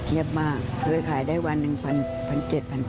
เงียบมากเคยขายได้วันนึง๑๐๐๐๑๗๐๐บาท